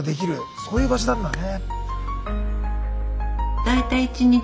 そういう場所なんだね。